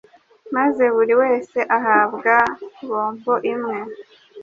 maze buri wese ahabwa bombo imwe